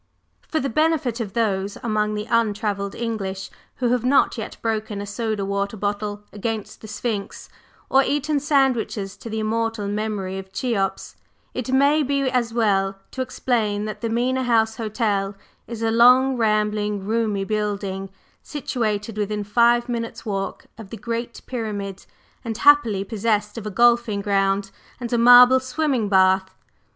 /For/ the benefit of those among the untravelled English who have not yet broken a soda water bottle against the Sphinx, or eaten sandwiches to the immortal memory of Cheops, it may be as well to explain that the Mena House Hotel is a long, rambling, roomy building, situated within five minutes' walk of the Great Pyramid, and happily possessed of a golfing ground and a marble swimming bath.